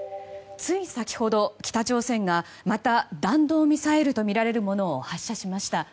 つい先ほど、北朝鮮がまた弾道ミサイルとみられるものを発射しました。